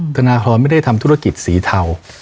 ธนาพรไม่ได้ทำธุรกิจสีเทา